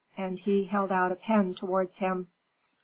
And he held out a pen towards him.